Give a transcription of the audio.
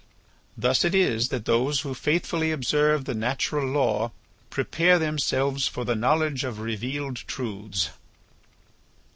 Thus it is that those who faithfully observe the natural law prepare themselves for the knowledge of revealed truths."